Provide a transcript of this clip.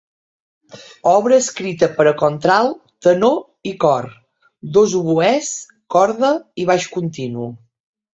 Obra escrita per a contralt, tenor i cor; dos oboès, corda i baix continu.